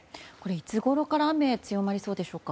いつごろから雨強まりそうでしょうか。